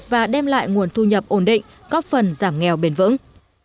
và đem lại nguồn thu nhập ổn định góp phần giảm nghèo bền vững